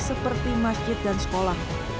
seperti masjid dan sekolah